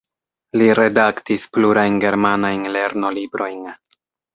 Li redaktis plurajn germanajn lernolibrojn.